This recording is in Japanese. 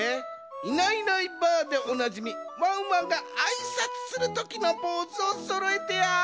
「『いないいないばあっ！』でおなじみワンワンがあいさつするときのポーズ」をそろえてや！